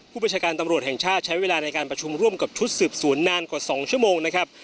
ประชาการตำรวจแห่งชาติใช้เวลาในการประชุมร่วมกับชุดสืบสวนนานกว่า๒ชั่วโมงนะครับ